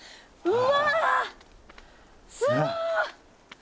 うわすごい！